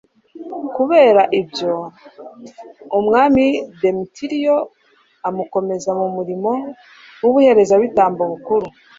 kubera ibyo, umwami demetiriyo amukomeza mu murimo w'ubuherezabitambo bukuru